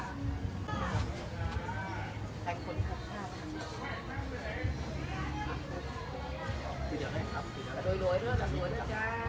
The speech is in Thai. ครับโดยโดยโดยโดย